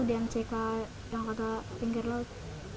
dmck yang kata pinggir laut